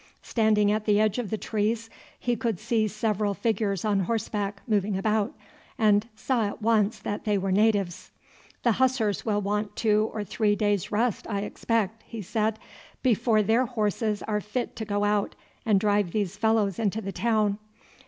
Standing at the edge of the trees he could see several figures on horseback moving about, and saw at once that they were natives. "The Hussars will want two or three days' rest, I expect," he said, "before their horses are fit to go out and drive these fellows into the town.